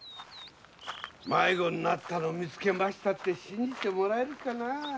迷子になったのを見つけましたなんて信じてもらえるかな。